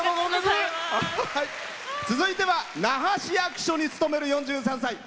続いては那覇市役所に勤める４３歳。